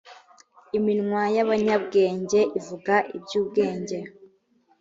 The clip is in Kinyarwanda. iminwa y’ abanyabwenge ivuga ibyubwenge.